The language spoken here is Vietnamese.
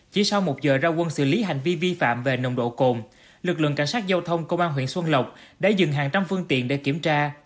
chỉ sau một giờ ra quân xử lý hành vi vi phạm về nồng độ cồn lực lượng cảnh sát giao thông công an huyện xuân lộc đã dừng hàng trăm phương tiện để kiểm tra